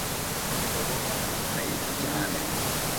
Umugabo ararakaye cyane